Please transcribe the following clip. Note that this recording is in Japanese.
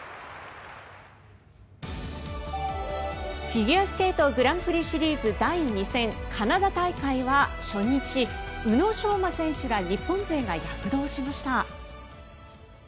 フィギュアスケートグランプリシリーズ第２戦カナダ大会は初日宇野昌磨選手ら日本勢が躍動しました。